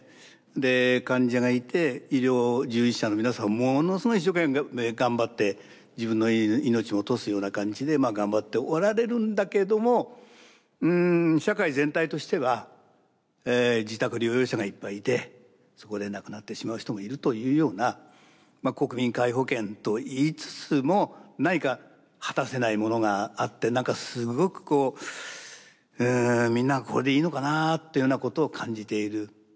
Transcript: で患者がいて医療従事者の皆さんものすごい一生懸命頑張って自分の命を落とすような感じで頑張っておられるんだけども社会全体としては自宅療養者がいっぱいいてそこで亡くなってしまう人もいるというような国民皆保険といいつつも何か果たせないものがあって何かすごくこうみんながこれでいいのかなというようなことを感じている。